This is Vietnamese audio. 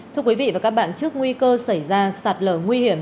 thưa quý vị và các bạn trước nguy cơ xảy ra sạt lở nguy hiểm